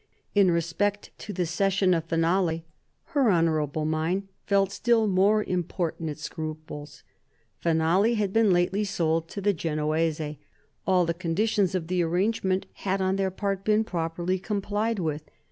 Li respect to the cession of Finale, her honourable mind felt still more im portunate scruples. Finale had been lately sold to the Genoese. All the conditions of the arrangement had on their part been properly complied with.